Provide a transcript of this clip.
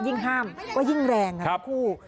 ยิ่งห้ามก็ยิ่งแรงครับคู่